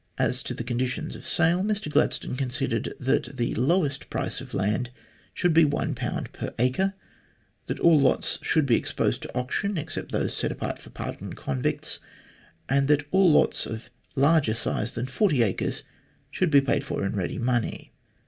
As to the con ditions of sale, Mr Gladstone considered that the lowest price of land should be 1 per acre, that all lots should be exposed to auction except those set apart for pardoned convicts, and that all lots of larger size than 40 acres should be paid for in ready money.